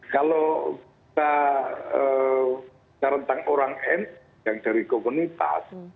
kalau kita bicara tentang orang nu yang dari komunitas